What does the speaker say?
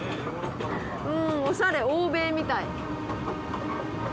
うんおしゃれ欧米みたい。